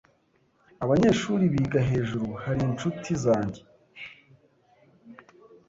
Abanyeshuri biga hejuru hari inshuti zanjye.